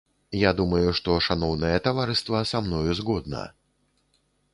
Я думаю, што шаноўнае таварыства са мною згодна?